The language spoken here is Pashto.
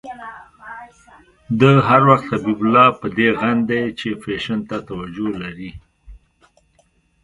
ده هر وخت حبیب الله په دې غندی چې فېشن ته توجه لري.